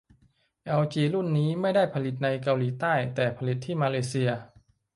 แอลจีรุ่นนี้ไม่ได้ผลิตในเกาหลีใต้ แต่ผลิตที่มาเลเซีย